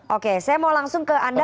oke saya mau langsung ke anda